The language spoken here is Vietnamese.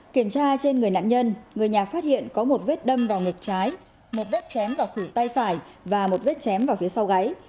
kiểm tra trên người nạn nhân người nhà phát hiện có một vết đâm vào ngực trái một đất chém vào khủy tay phải và một vết chém vào phía sau gáy